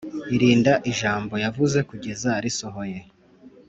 Irinda ijambo yavuze kugeza irisohoye